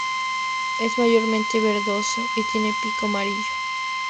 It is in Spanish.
Es mayormente verdoso y tiene pico amarillo.